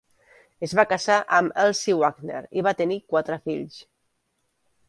Es va casar amb Elsie Wagner i va tenir quatre fills.